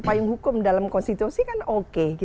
payung hukum dalam konstitusi kan oke